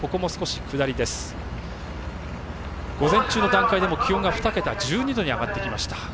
午前中の段階でも気温が２桁１２度に上がってきました。